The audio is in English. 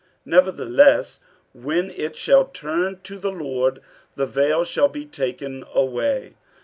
47:003:016 Nevertheless when it shall turn to the Lord, the vail shall be taken away.